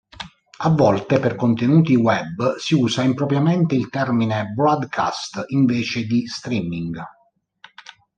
A volte, per contenuti web, si usa impropriamente il termine "broadcast" invece di streaming.